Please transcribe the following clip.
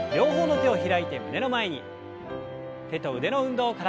手と腕の運動から。